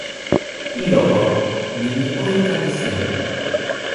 ilo o, nimi Ojuta li seme?